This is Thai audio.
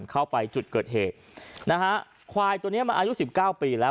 เข้าไปจุดเกิดเหตุนะฮะควายตัวเนี้ยมันอายุสิบเก้าปีแล้ว